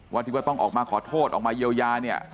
ว่าที่ว่าต้องออกมาขอโทษออกมาเยียวยาเนี่ย